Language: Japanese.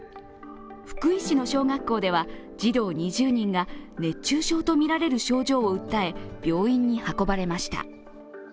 福井市の小学校では児童２０人が熱中症とみられる症状を訴え、病院に運ばれました。